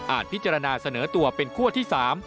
พิจารณาเสนอตัวเป็นขั้วที่๓